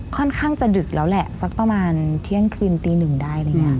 ค่อนข้างจะดึกแล้วแหละสักประมาณเที่ยงคืนตีหนึ่งได้